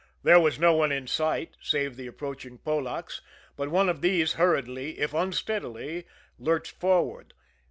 There was no one in sight, save the approaching Polacks but one of these hurriedly, if unsteadily, lurched forward.